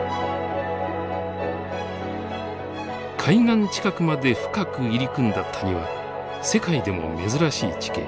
海岸近くまで深く入り組んだ谷は世界でも珍しい地形。